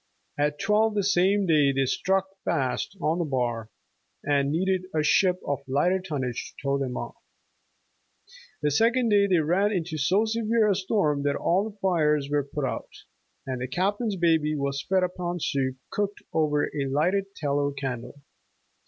At twelve the same day they stuck fast on a bar, and needed a ship of lighter tonnage to tow them off. The second day they ran into so severe a storm that all fires were put out, and the Captain's baby was fed upon soup cooked over a lighted tallow candle.